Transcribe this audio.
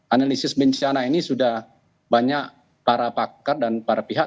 analisis bencana ini sudah banyak para pakar dan para pihak